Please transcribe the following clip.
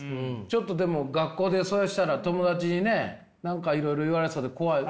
ちょっとでも学校でそれしたら友達にね何かいろいろ言われそうで怖い。